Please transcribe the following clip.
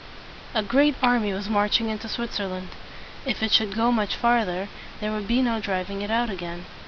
A great army was marching into Swit zer land. If it should go much farther, there would be no driving it out again.